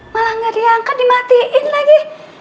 malah nggak diangkat dimatiin lagi